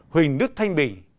huỳnh đức thanh bình